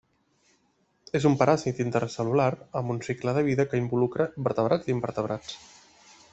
És un paràsit intracel·lular amb un cicle de vida que involucra vertebrats i invertebrats.